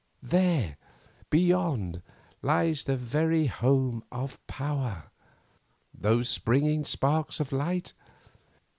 There, beneath, lies the very home of Power. Those springing sparks of light?